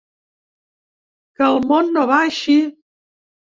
Que el món no va així.